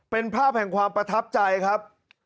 เป็นภาพแห่งความประทับใจครับ